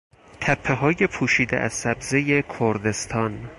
تپههای پوشیده از سبزهی کردستان